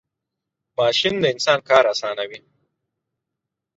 ماشین د انسان کار آسانه کوي .